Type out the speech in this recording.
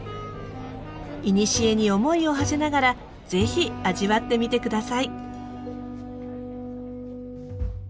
いにしえに思いをはせながらぜひ味わってみて下さい。